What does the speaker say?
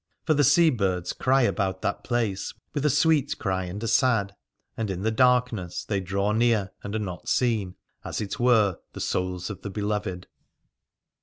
For the sea birds cry about that place with a sweet cry and a sad, and in the dark ness they draw near and are not seen, as it were the souls of the beloved.